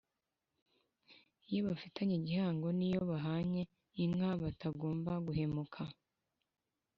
iyo bafitanye igihango n’iyo bahanye inka batagomba guhemukira